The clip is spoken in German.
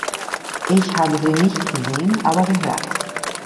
Ich habe sie nicht gesehen aber gehört.